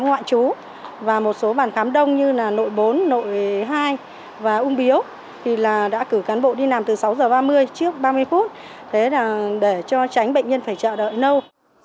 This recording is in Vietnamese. ngoại chú và một số bàn khám đông như là nội bốn nội hai và ung biếu thì đã cử cán bộ đi làm từ sáu giờ ba mươi trước ba mươi phút để cho tránh bệnh nhân phải chờ đợi lâu